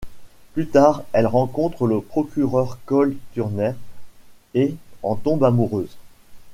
Plus tard, elle rencontre le procureur Cole Turner et en tombe amoureuse.